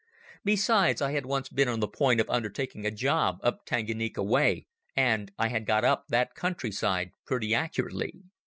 Besides, I had once been on the point of undertaking a job up Tanganyika way, and I had got up that country side pretty accurately.